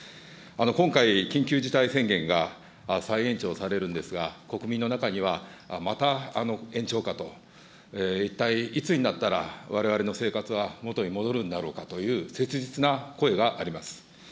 今回、緊急事態宣言が再延長されるんですが、国民の中にはまた延長かと、一体いつになったらわれわれの生活は元に戻るんだろうかという切実な声があります。